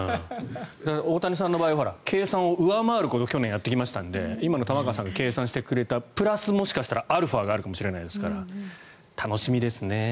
大谷さんの場合計算を上回ることをしてきたので今の玉川さんの計算してくれたプラスもしかしたらアルファがあるかもしれないですから楽しみですね。